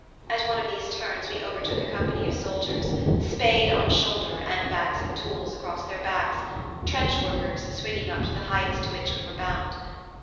At one of these turns we overtook a company of soldiers, spade on shoulder and bags of tools across their backs "trench workers" swinging up to the heights to which we were bound.